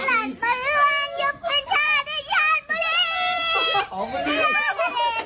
เวลาเทศยาลาเต็ดไทยอามารมัยราภาโลก